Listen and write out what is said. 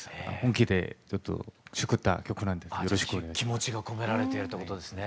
気持ちが込められてるということですね。